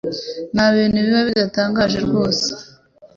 nta bintu biba bidatangaje rwose